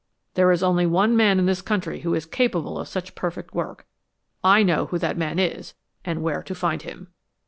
There is only one man in this country who is capable of such perfect work. I know who that man is and where to find him."